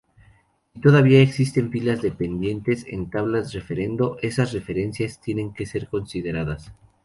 Si todavía existen filas dependientes en tablas referendo, esas referencias tienen que ser consideradas.